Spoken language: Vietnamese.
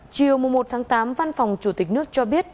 chiều một tám văn phòng chủ tịch nước cho biết